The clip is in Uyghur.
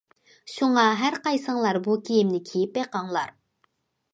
شۇڭا ھەر قايسىڭلار بۇ كىيىمنى كىيىپ بېقىڭلار.